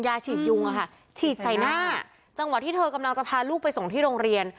ฉีดยุงอะค่ะฉีดใส่หน้าจังหวะที่เธอกำลังจะพาลูกไปส่งที่โรงเรียน